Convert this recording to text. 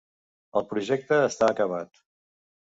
El projecte està acabat.